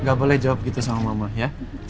nggak boleh jawab begitu sama mama ya